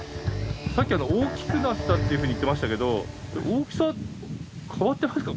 さっき大きくなったっていうふうに言ってましたけど大きさ変わってますか？